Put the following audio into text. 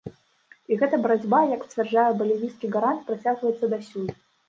І гэта барацьба, як сцвярджае балівійскі гарант, працягваецца дасюль.